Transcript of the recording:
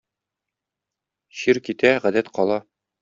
Чир китә - гадәт кала.